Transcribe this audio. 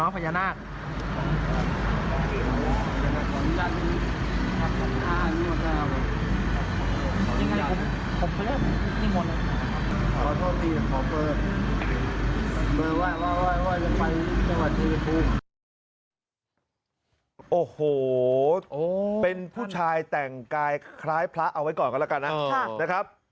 โอ้โหเป็นผู้ชายแต่งกายคล้ายพระเอาไว้ก่อนกันแล้วกันนะครับ